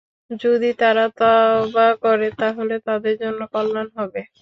যদি তারা তাওবা করে তাহলে তাদের জন্য কল্যাণ হবে।